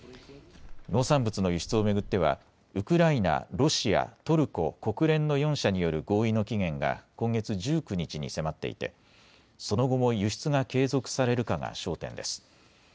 農産物の輸出を巡ってはウクライナ、ロシア、トルコ、国連の４者による合意の期限が今月１９日に迫っていてその後も輸出が継続されるかが焦点です。